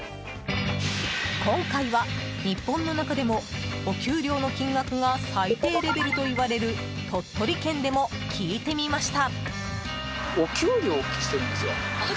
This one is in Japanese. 今回は日本の中でもお給料の金額が最低レベルといわれる鳥取県でも聞いてみました。